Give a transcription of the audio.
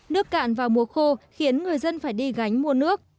nước cạn vào mùa khô khiến người dân phải đi gánh mua nước